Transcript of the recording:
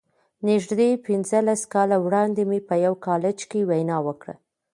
نږدې پينځلس کاله وړاندې مې په يوه کالج کې وينا وکړه.